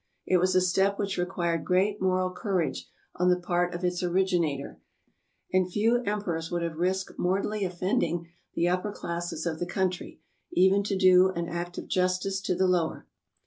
It was a step which required great moral cour age on the part of its originator, and few emperors would have risked mortally offending the upper classes of the coun try, even to do an act of justice to the lower.